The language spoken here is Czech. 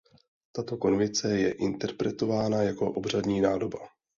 Tato konvice je interpretována jako obřadní nádoba.